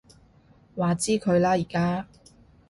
話之佢啦而家